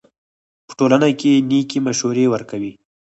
په ټولنه کښي نېکي مشورې ورکوئ!